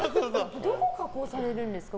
どこを加工されるんですか？